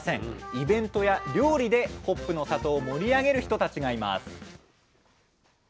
イベントや料理でホップの里を盛り上げる人たちがいます。